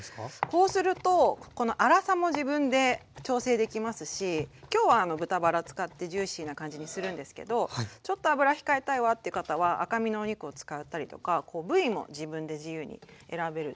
こうするとこの粗さも自分で調整できますし今日は豚バラ使ってジューシーな感じにするんですけどちょっと脂控えたいわって方は赤身のお肉を使ったりとか部位も自分で自由に選べるっていう。